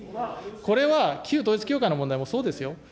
これは、旧統一教会の問題もそうですよ。